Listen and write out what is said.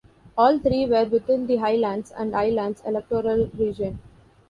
All three were within the Highlands and Islands electoral region.